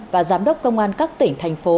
và giám đốc công an các tỉnh thành phố